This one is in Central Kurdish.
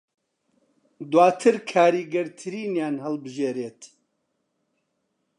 دوواتر کاریگەرترینیان هەڵبژێریت